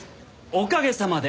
おかげさまで。